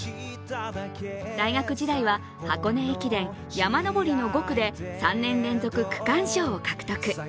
大学時代は、箱根駅伝・山上りの５区で３年連続区間賞を獲得。